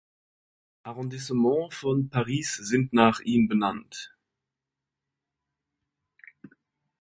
Arrondissement von Paris sind nach ihm benannt.